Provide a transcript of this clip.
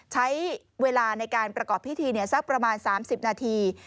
ใช้เวลาในการประกอบพิธีสักประมาณ๓๐นาที